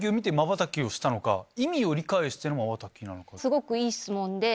すごくいい質問で。